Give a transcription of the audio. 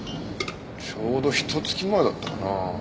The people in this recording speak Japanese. ちょうどひと月前だったかな。